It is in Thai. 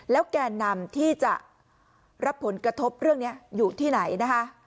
แล้วแกนำที่จะรับผลกระทบเรื่องนี้อยู่ที่ไหน